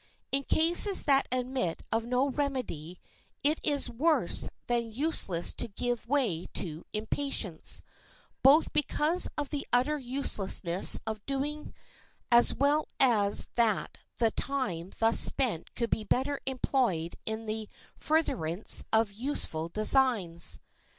In cases that admit of no remedy it is worse than useless to give way to impatience, both because of the utter uselessness of so doing as well as that the time thus spent could be better employed in the furtherance of useful designs.